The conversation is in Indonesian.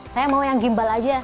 saya mau yang gimbal aja